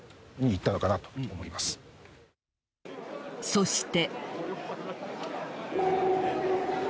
そして。